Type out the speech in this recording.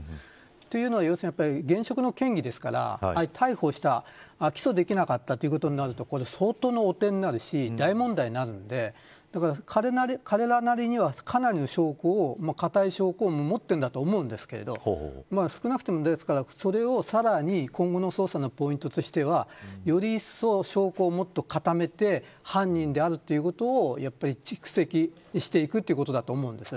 というのは現職の県議ですから逮捕した、起訴できなかったということになると相当な汚点になるし大問題になるので彼らなりにはかなりのかたい証拠を持っているんだと思うんですけど少なくともそれをさらに今後の捜査のポイントとしてはよりいっそう証拠をもっとかためて犯人であるということ蓄積していくということだと思うんです。